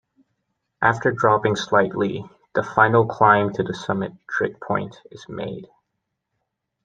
After dropping slightly the final climb to the summit trig-point is made.